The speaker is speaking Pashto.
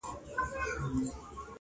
له باڼو تر ګرېوانه د اوښكو كور دئ!!